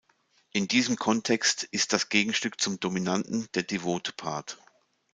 In diesem Kontext ist das Gegenstück zum dominanten der devote Part.